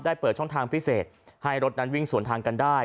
เปิดช่องทางพิเศษให้รถนั้นวิ่งสวนทางกันได้